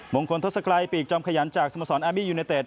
มงคลทศครัยปีกจอมขยันจากสมสรรค์อารมียูเนตเต็ด